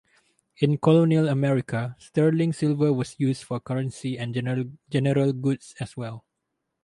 In Colonial America, sterling silver was used for currency and general goods as well.